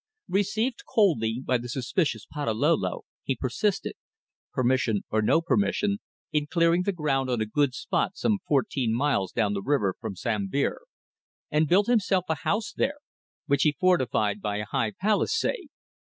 Received coldly by the suspicious Patalolo, he persisted permission or no permission in clearing the ground on a good spot some fourteen miles down the river from Sambir, and built himself a house there, which he fortified by a high palisade.